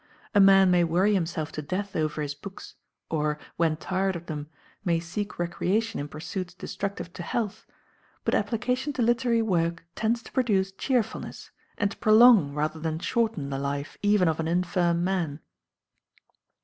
A man may worry himself to death over his books, or, when tired of them, may seek recreation in pursuits destructive to health; but application to literary work tends to produce cheerfulness, and to prolong rather than shorten the life even of an infirm man.